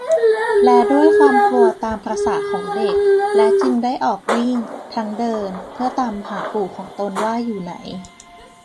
และด้วยความกลัวตามประสาของเด็ก และจึงได้ออกวิ่ง ทั้งเดินเพื่อตามหาปู่ของตนว่าอยู่ไหน